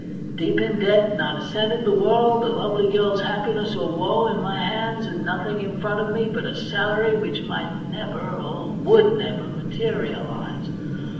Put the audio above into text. Deep in debt, not a cent in the world, a lovely girl's happiness or woe in my hands, and nothing in front of me but a salary which might never — oh, would never — materialise